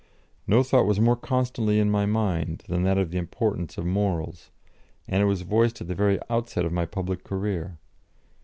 No thought was more constantly in my mind than that of the importance of morals, and it was voiced at the very outset of my public career.